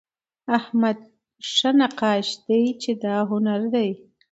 احمد ښه نقاش دئ، چي دا هنر دئ.